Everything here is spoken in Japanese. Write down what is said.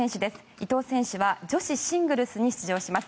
伊藤選手は女子シングルスに出場します。